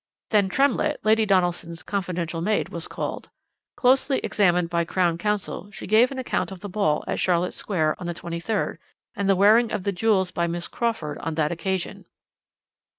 "Then Tremlett, Lady Donaldson's confidential maid, was called. Closely examined by Crown Counsel, she gave an account of the ball at Charlotte Square on the 23rd, and the wearing of the jewels by Miss Crawford on that occasion.